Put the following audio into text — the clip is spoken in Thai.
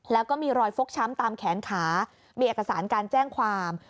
แล้วก็มีรอยฟกช้ำตามแขนขามีเอกสารการแจ้งความ